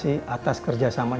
opisya kita seperti apa tadi